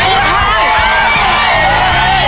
ปูระวังมือ